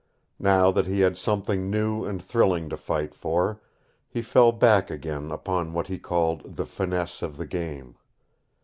Now that he had something new and thrilling to fight for, he fell back again upon what he called "the finesse of the game."